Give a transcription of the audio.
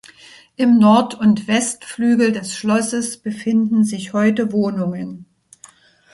Im Nord- und Westflügel des Schlosses befinden sich heute Wohnungen.